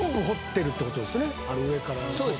上から。